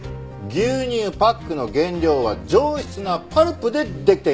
牛乳パックの原料は上質なパルプでできています。